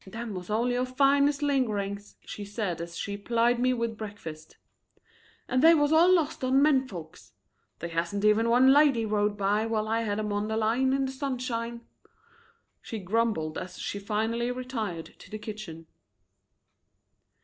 "Them was all your finest lingerings," she said as she plied me with breakfast. "And they was all lost on menfolks. They hasn't even one lady rode by while I had 'em on the line in the sunshine," she grumbled as she finally retired to the kitchen.